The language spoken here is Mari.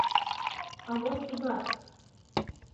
— А вот тугак!